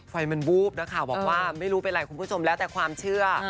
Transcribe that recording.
ไฟมันวูบนะคะบอกว่าไม่รู้เป็นไรคุณผู้ชมแล้วแต่ความเชื่อ